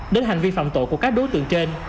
đến hành vi phạm tội của các đối tượng trên